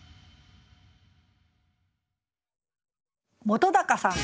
本さん。